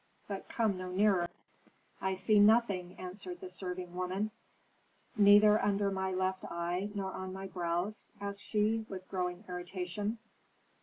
But come no nearer." "I see nothing," answered the serving woman. "Neither under my left eye nor on my brows?" asked she, with growing irritation.